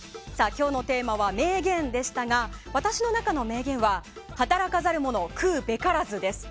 今日のテーマは名言でしたが私の中の名言は働かざる者、食うべからずです。